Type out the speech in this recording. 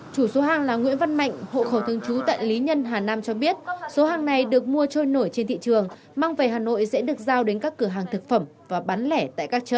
chủ số hàng là nguyễn văn mạnh hộ khẩu thương chú tại lý nhân hà nam cho biết số hàng này được mua trôi nổi trên thị trường mang về hà nội sẽ được giao đến các cửa hàng thực phẩm và bán lẻ tại các chợ